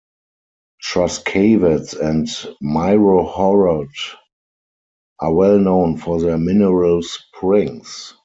Truskavets and Myrhorod are well known for their mineral springs.